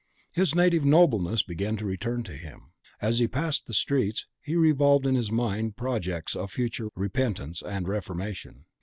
His native nobleness began to return to him. As he passed the streets, he revolved in his mind projects of future repentance and reformation.